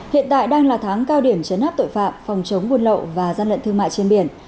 hiện tại đang là tháng cao điểm chấn áp tội phạm phòng chống buôn lậu và gian lận thương mại trên biển